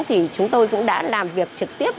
thì chúng tôi cũng đã làm việc trực tiếp